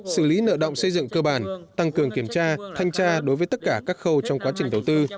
xử lý nợ động xây dựng cơ bản tăng cường kiểm tra thanh tra đối với tất cả các khâu trong quá trình đầu tư